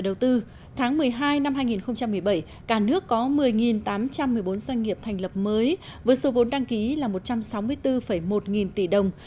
năm hai nghìn một mươi bảy cả nước có một mươi tám trăm một mươi bốn doanh nghiệp thành lập mới với số vốn đăng ký là một trăm sáu mươi bốn một nghìn tỷ đồng